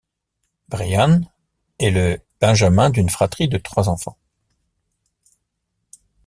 Bryan est le benjamin d'une fratrie de trois enfants.